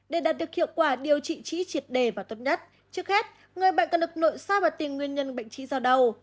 để đạt được hiệu quả điều trị trí triệt đề và tốt nhất trước hết người bệnh cần được nội sao và tìm nguyên nhân bệnh trí do đâu